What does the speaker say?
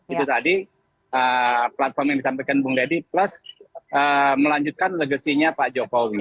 itu tadi platform yang disampaikan bung deddy plus melanjutkan legasinya pak jokowi